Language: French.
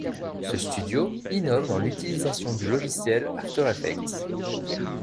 Ce studio innove dans l'utilisation du logiciel After Effects.